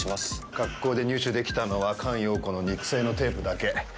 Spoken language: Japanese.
学校で入手できたのは菅容子の肉声のテープだけ。